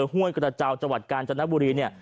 ห้วยกระเจ้าจังหวัดกาญจนบุรีเนี่ย